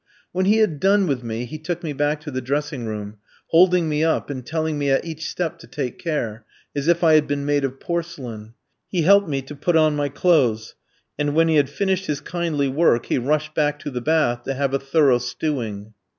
When he had done with me he took me back to the dressing room, holding me up, and telling me at each step to take care, as if I had been made of porcelain. He helped me to put on my clothes, and when he had finished his kindly work he rushed back to the bath to have a thorough stewing.